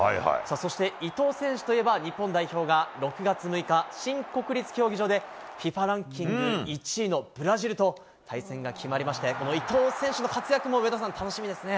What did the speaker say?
そして、伊東選手といえば、日本代表が６月６日、新国立競技場で、ＦＩＦＡランキング１位のブラジルと対戦が決まりまして、この伊東選手の活躍も上田さん、楽しみですね。